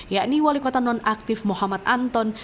yakni wali kota nonaktif muhammad anton